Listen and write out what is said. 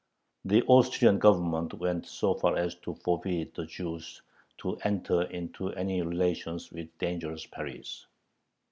The Austrian Government went so far as to forbid the Jews to enter into any relations with "dangerous" Paris.